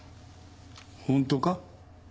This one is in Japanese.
本当か？